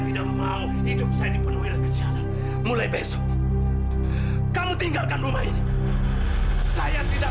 sampai jumpa di video selanjutnya